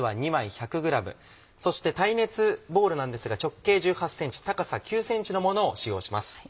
そして耐熱ボウルなんですが直径１８ｃｍ高さ９ｃｍのものを使用します。